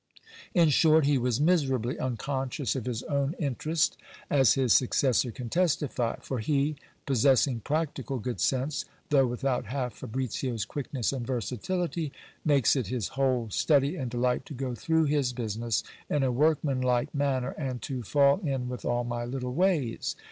In short, he was miserably unconscious of his own interest, as his successor can testify: for he, possessing practical good sense, thoogh without half Fabricio's quickness and versatility, makes it his whole study and delight to go through his business in a workmanlike manner, and to fall in with all my litde ways.